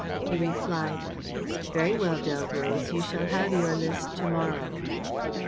He replied: "Very well, Delroze, you shall have your list to morrow."